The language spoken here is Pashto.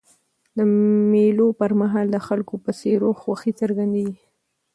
د مېلو پر مهال د خلکو پر څېرو خوښي څرګندېږي.